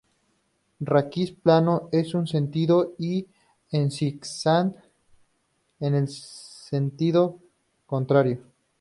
Raquis plano en un sentido y en zigzag en el sentido contrario.